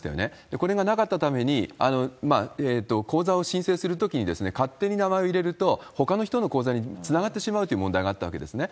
これがなかったために、口座を申請するときに、勝手に名前を入れると、ほかの人の口座につながってしまうという問題があったわけですね。